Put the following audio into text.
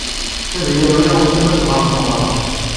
Ad d-yawey weltma-s ɣer tmeɣra.